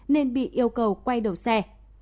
nên bị yêu cầu quay đầu xe